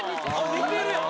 似てるやん。